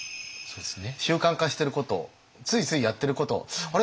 習慣化してることついついやってることあれ？